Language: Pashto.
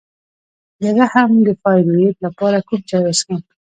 د رحم د فایبرویډ لپاره کوم چای وڅښم؟